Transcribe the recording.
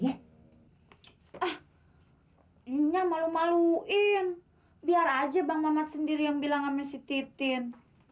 ah iya malu maluin biar aja bang mamat sendiri yang bilang sama si titin